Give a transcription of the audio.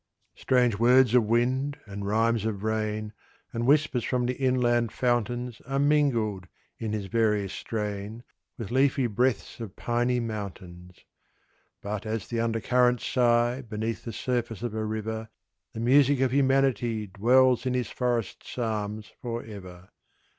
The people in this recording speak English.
Strange words of wind, and rhymes of rain, And whispers from the inland fountains Are mingled, in his various strain, With leafy breaths of piny mountains. But as the undercurrents sigh Beneath the surface of a river, The music of humanity Dwells in his forest psalms for ever.